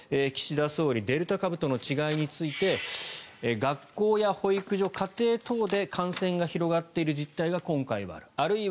岸田総理デルタ株との違いについて学校や保育所、家庭等で感染が広がっている実態が今回はある。